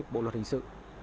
bộ luật hình sự